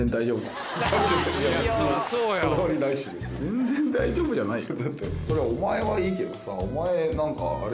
全然大丈夫じゃないよ。